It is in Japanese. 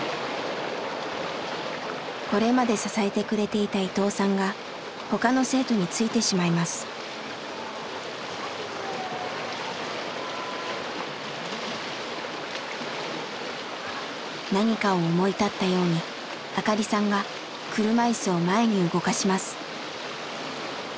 これまで支えてくれていた伊藤さんが他の生徒についてしまいます。何かを思い立ったように明香里さんが車いすを前に動かします。